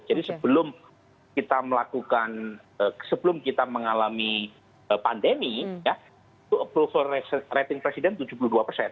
jadi sebelum kita melakukan sebelum kita mengalami pandemi approval rating presiden tujuh puluh dua persen